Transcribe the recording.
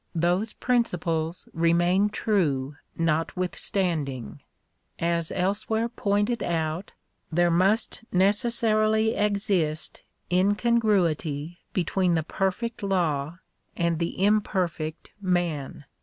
Those principles remain true notwithstanding. As elsewhere pointed out (p. 87), there must necessarily exist incongruity between the perfect law and the imperfect man.